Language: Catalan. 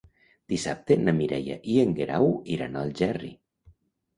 Dissabte na Mireia i en Guerau iran a Algerri.